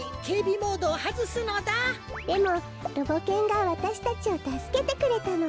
でもロボ犬がわたしたちをたすけてくれたの。